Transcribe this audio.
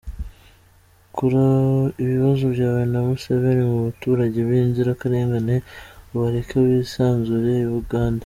Kura ibibazo byawe na Museveni mu baturage b’inzirakarengane ubareke bisanzure I Bugande